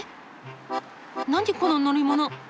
何この乗り物！？